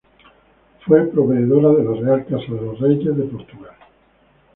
Fue proveedora de la Real Casa de los Reyes de Portugal.